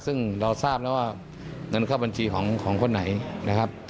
ซึ่งเราทราบแล้วว่าเงินเข้าบัญชีของคนไหนนะครับ